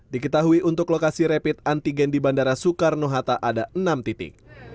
diketahui untuk lokasi rapid antigen di bandara soekarno hatta ada enam titik